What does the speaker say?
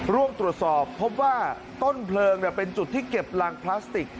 ร่วมตรวจสอบพบว่าต้นเพลิงเป็นจุดที่เก็บรังพลาสติก